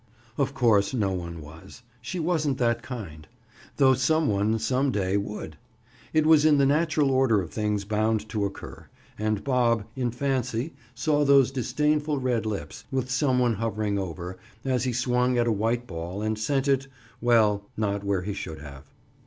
Of course, no one was. She wasn't that kind. Though some one, some day, would! It was in the natural order of things bound to occur, and Bob, in fancy, saw those disdainful red lips, with some one hovering over, as he swung at a white ball and sent it—well, not where he should have.